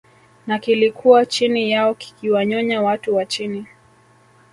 na kilikuwa chini yao kikiwanyonya watu wa chini